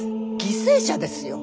犠牲者ですよ。